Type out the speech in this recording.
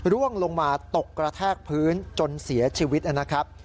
ร่วงลงมาตกกระแทกพื้นจนเสียชีวิตนะครับ